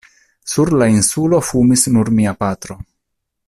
Sur la Insulo fumis nur mia patro.